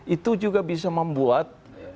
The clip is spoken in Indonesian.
itu juga bisa membuat